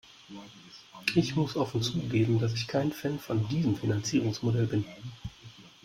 Ich muss offen zugeben, dass ich kein Fan von diesem Finanzierungsmodell bin.